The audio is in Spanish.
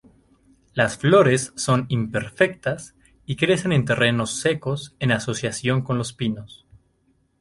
Las flores son imperfectas y crecen en terrenos secos en asociación con los pinos.